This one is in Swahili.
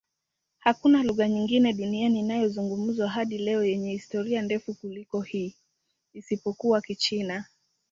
Hakuna lugha nyingine duniani inayozungumzwa hadi leo yenye historia ndefu kuliko hii, isipokuwa Kichina.